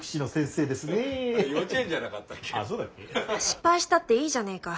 失敗したっていいじゃねえか。